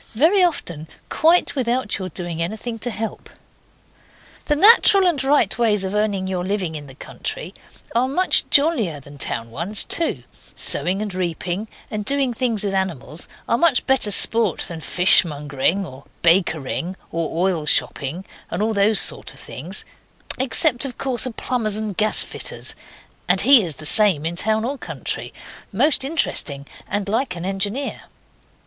Very often quite without your doing anything to help. The natural and right ways of earning your living in the country are much jollier than town ones, too; sowing and reaping, and doing things with animals, are much better sport than fishmongering or bakering or oil shopping, and those sort of things, except, of course, a plumber's and gasfitter's, and he is the same in town or country most interesting and like an engineer.